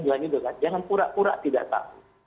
bilangnya juga kan jangan kurak kurak tidak